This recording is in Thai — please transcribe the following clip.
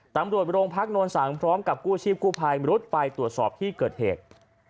ตำรวจโรงพักนวลสังพร้อมกับกู้ชีพกู้ภัยมรุดไปตรวจสอบที่เกิดเหตุ